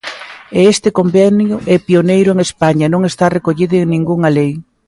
E este convenio é pioneiro en España e non está recollido en ningunha lei.